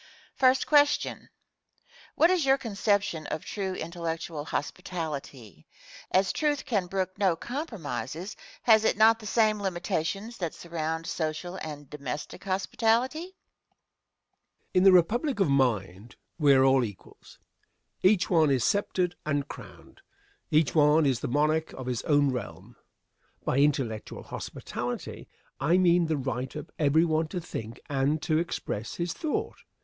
] Question. What is your conception of true intellectual hospitality? As Truth can brook no compromises, has it not the same limitations that surround social and domestic hospitality? Answer. In the republic of mind we are all equals. Each one is sceptered and crowned. Each one is the monarch of his own realm. By "intellectual hospitality" I mean the right of every one to think and to express his thought.